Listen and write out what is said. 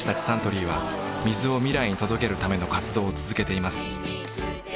サントリーは水を未来に届けるための活動を続けています